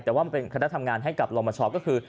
แต่ว่ามันเป็นคณะทำงานให้กับลองมช